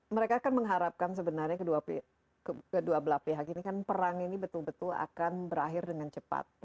mereka kan mengharapkan sebenarnya kedua belah pihak ini kan perang ini betul betul akan berakhir dengan cepat